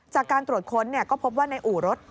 จากการตรวจค้นก็พบว่าในอู่รถ